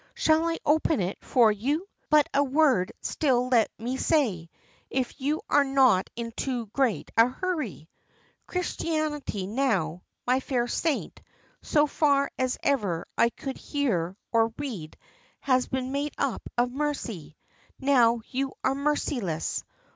"Shall I open it for you? But a word still let me say if you are not in too great a hurry! Christianity, now, my fair saint, so far as ever I could hear or read, has been made up of mercy. Now, you are merciless!